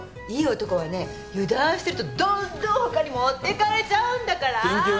いい男はね油断してるとどんどんほかに持ってかれちゃうんだからー！